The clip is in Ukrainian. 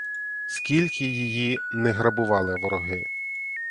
Скільки її не грабували вороги.